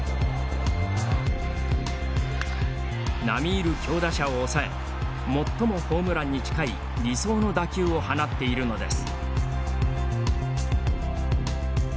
並みいる強打者を抑え最もホームランに近い理想の打球を放っているのです。